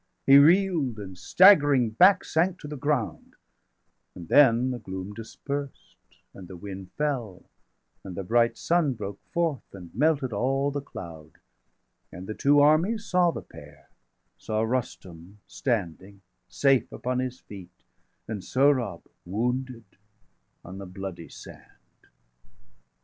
520 He reel'd, and staggering back, sank to the ground; And then the gloom dispersed, and the wind fell, And the bright sun broke forth, and melted all The cloud; and the two armies saw the pair Saw Rustum standing, safe upon his feet, 525 And Sohrab, wounded, on the bloody sand.